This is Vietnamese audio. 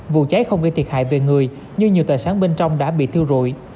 vụ cháy không gây thiệt hại về người nhưng nhiều tài sản bên trong đã bị thiêu rụi